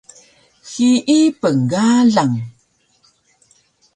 Hiyi pnegalang